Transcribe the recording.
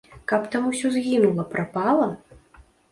Каб там усё згінула, прапала?